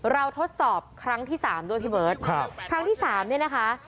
ทดสอบครั้งที่สามด้วยพี่เบิร์ตครับครั้งที่สามเนี่ยนะคะ